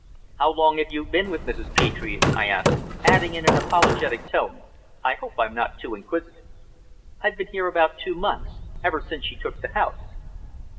"How long have you been with Mrs. Petre?" I asked, adding, in an apologetic tone, "I hope I'm not too inquisitive?" "I've been here about two months ever since she took the house."